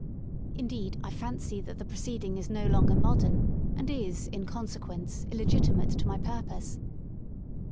Indeed, I fancy that the proceeding is no longer modern, and is in consequence illegitimate to my purpose.